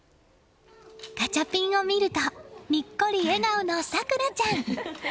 ガチャピンを見るとにっこり笑顔の咲良ちゃん。